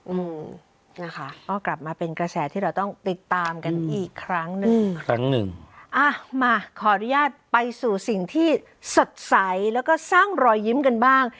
อืมนะคะก็กลับมาเป็นกระแสที่เราต้องติดตามกันอีกครั้งหนึ่งครั้งหนึ่งอ่ะมาขออนุญาตไปสู่สิ่งที่สดใสแล้วก็สร้างรอยยิ้มกันบ้าง